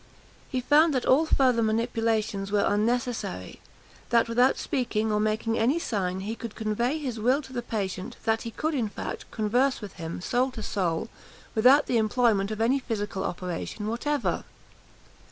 He found that all further manipulations were unnecessary; that, without speaking or making any sign, he could convey his will to the patient; that he could, in fact, converse with him, soul to soul, without the employment of any physical operation whatever!